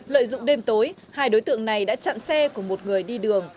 lợi dụng đêm tối hai đối tượng này đã chặn xe của một người đi đường